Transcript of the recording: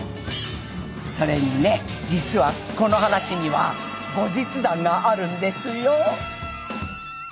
それにね実はこの話には後日談があるんですよ。